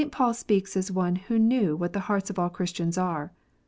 Paul speaks as one who knew what the hearts of all Christians are.